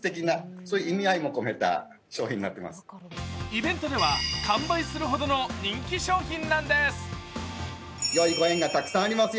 イベントでは、完売するほどの人気商品なんです。